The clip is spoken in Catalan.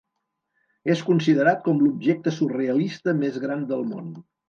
És considerat com l'objecte surrealista més gran del món.